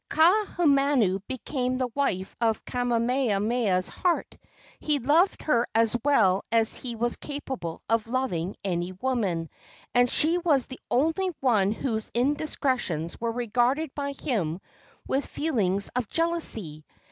Kaahumanu became the wife of Kamehameha's heart. He loved her as well as he was capable of loving any woman, and she was the only one whose indiscretions were regarded by him with feelings of jealousy.